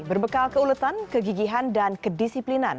berbekal keuletan kegigihan dan kedisiplinan